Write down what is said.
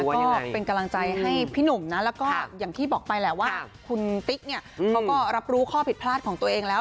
ก็เป็นกำลังใจให้พี่หนุ่มนะแล้วก็อย่างที่บอกไปแหละว่าคุณติ๊กเนี่ยเขาก็รับรู้ข้อผิดพลาดของตัวเองแล้ว